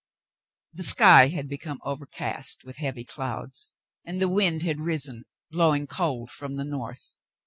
The sky had become overcast with heavy clouds and the wind had risen, blowing cold from the north.